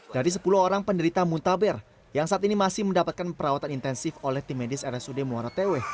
dari sepuluh orang penderita muntaber yang saat ini masih mendapatkan perawatan intensif oleh tim medis rsud muara tewe